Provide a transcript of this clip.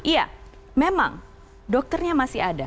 iya memang dokternya masih ada